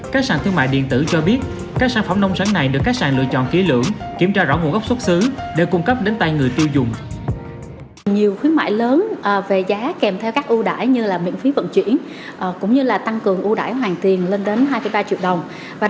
các sản thương mại điện tử cho biết các sản phẩm nông sản này được các sàn lựa chọn kỹ lưỡng kiểm tra rõ nguồn gốc xuất xứ để cung cấp đến tay người tiêu dùng